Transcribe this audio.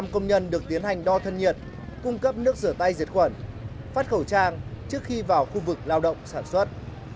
một trăm linh công nhân được tiến hành đo thân nhiệt cung cấp nước rửa tay diệt khuẩn phát khẩu trang trước khi vào khu vực lao động sản xuất